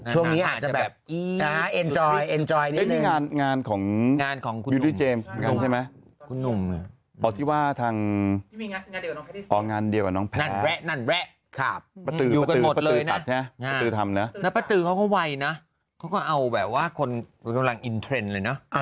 เกียวกับน้องแพ้นั่นแหละคับอยู่กันหมดเลยนะประตือทำเนอะแล้วประตือเขาก็ไวนะเขาก็เอาแบบว่าคนกำลังอินเทรนด์เลยเนอะ